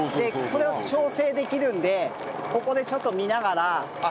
それは調整できるのでここでちょっと見ながら。